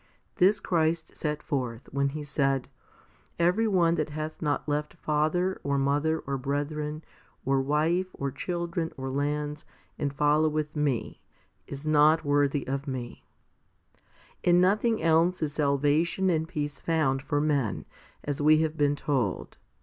This Christ set forth, when He said, " Every one that hath not left father, or mother, or brethren, or wife, or children, or lands, and followeth Me, is not worthy of Me." 2 In nothing else is salvation and peace found for men, as we have been told.